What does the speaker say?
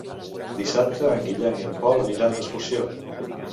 Dissabte en Guillem i en Pol aniran d'excursió.